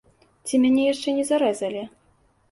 Ці мяне яшчэ не зарэзалі?